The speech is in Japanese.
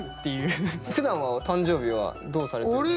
ふだんは誕生日はどうされてるんですか。